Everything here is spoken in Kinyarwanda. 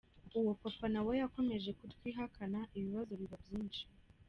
Uwo Papa na we yakomeje kutwihakana, ibibazo biba byinshi…”.